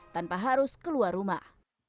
tanpa harus keluar rumah